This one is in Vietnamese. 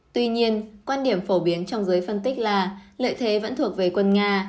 tuy nhiên quan điểm phổ biến trong giới phân tích là lợi thế vẫn thuộc về quân nga